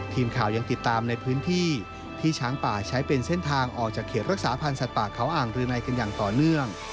ทีมข่าวยังติดตามในพื้นที่ที่ช้างป่าใช้เป็นเส้นทางออกจากเขตรักษาพันธ์สัตว์ป่าเขาอ่างรืนัยกันอย่างต่อเนื่อง